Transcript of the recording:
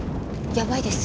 やばいです。